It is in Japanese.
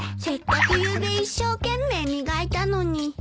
せっかくゆうべ一生懸命磨いたのに。